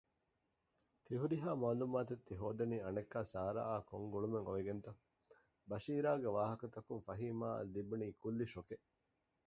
ތިހުރިހާ މަޢްލޫމާތު ތިހޯދަނީ އަނެއްކާ ސަރާއާ ކޮން ގުޅުމެއް އޮވެގެންތަ؟ ބަޝީރާގެ ވާހަކަތަކުން ފަހީމާއަށް ލިބުނީ ކުއްލި ޝޮކެއް